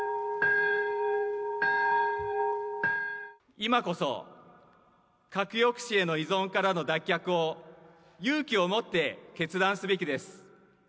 今こそ、核抑止への依存からの脱却を勇気を持って決断すべきです。